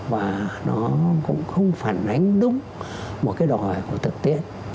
và nó cũng không phản ánh đúng một cái đòi hỏi của thực tiễn